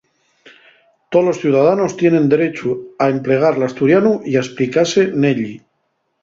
Tolos ciudadanos tienen derechu a emplegar l'asturianu y a esplicase nelli.